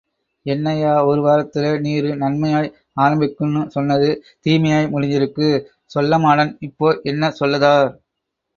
என்னய்யா... ஒருவாரத்துல நீரு நன்மையாய் ஆரம்பிக்குமுன்னு சொன்னது தீமையாய் முடிஞ்சிருக்கு... சொள்ளமாடன் இப்போ என்ன சொல்லதார்?